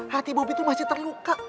hati bobi itu masih terluka